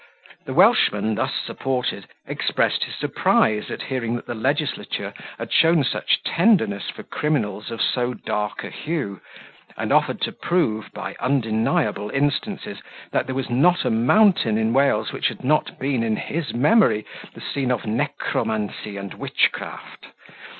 The Welshman, thus supported, expressed his surprise at hearing that the legislature had shown such tenderness for criminals of so dark a hue, and offered to prove, by undeniable instances, that there was not a mountain in Wales which had not been, in his memory, the scene of necromancy and witchcraft.